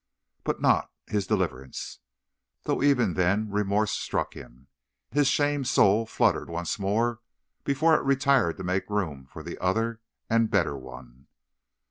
But not his deliverance, though even then remorse struck him. His shamed soul fluttered once more before it retired to make room for the other and better one.